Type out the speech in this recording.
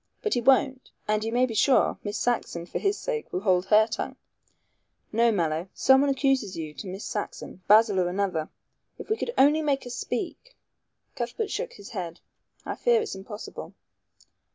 But he won't, and you may be sure Miss Saxon, for his sake, will hold her tongue. No, Mallow. Someone accuses you to Miss Saxon Basil or another. If we could only make her speak " Cuthbert shook his head. "I fear it's impossible."